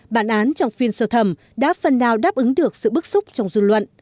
bản án trong phiên sơ thẩm đã phần nào đáp ứng được sự bức xúc trong dư luận